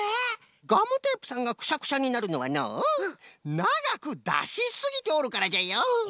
ガムテープさんがくしゃくしゃになるのはのうながくだしすぎておるからじゃよ！